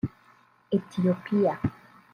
Etiyopiya